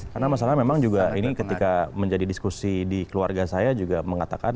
karena masalahnya memang juga ini ketika menjadi diskusi di keluarga saya juga mengatakan